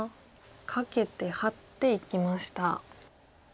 カケてハッていきました。